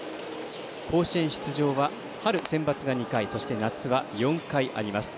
甲子園出場は春センバツが２回、そして夏は、４回あります。